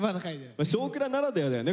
「少クラ」ならではだよね。